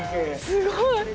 すごい！